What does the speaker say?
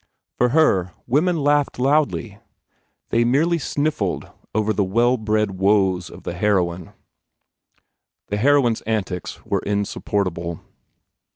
For her, women laughed loudly. They merely sniffled over the well bred woes of the heroine. The heroine s antics were insupport able.